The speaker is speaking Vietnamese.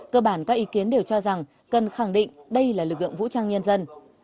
cơ bản các ý kiến đều cho rằng cần khẳng định đây là lực lượng vũ trang nhân dân